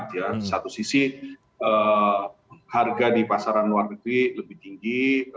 di satu sisi harga di pasaran luar negeri lebih tinggi